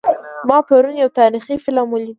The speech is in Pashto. ما پرون یو تاریخي فلم ولید